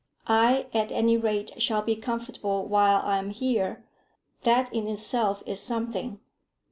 "I, at any rate, shall be comfortable while I am here. That in itself is something.